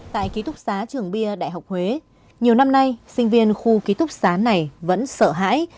tại ký túc xá trường bia đại học huế nhiều năm nay sinh viên khu ký túc xá này vẫn sợ hãi